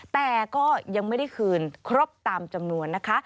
แต่ก็ยังไม่ได้คืนครบตามจำนวนนะคะ